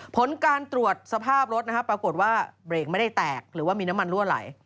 ผลการตรวจสภาพรถนะครับปรากฏว่าเบรกไม่ได้แตกหรือว่ามีน้ำมันรั่วไหล